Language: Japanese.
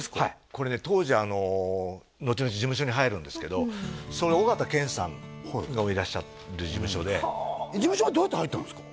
これね当時のちのち事務所に入るんですけどそれ緒形拳さんがいらっしゃる事務所で事務所はどうやって入ったんですか？